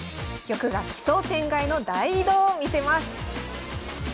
玉が奇想天外の大移動を見せます